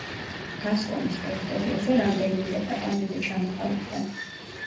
გასკონის ტერიტორიაზე რამდენიმე დეპარტამენტი ჩამოყალიბდა.